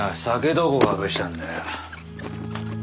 どこ隠したんだよ？